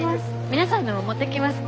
皆さんのも持ってきます。